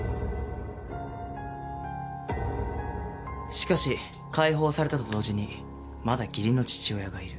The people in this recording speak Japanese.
しかし解放されたと同時にまだ義理の父親がいる。